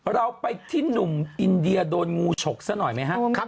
เราไปที่หนุ่มอินเดียโดนงูฉกซะหน่อยไหมครับ